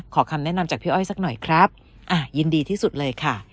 คำแนะนำจากพี่อ้อยสักหน่อยครับยินดีที่สุดเลยค่ะ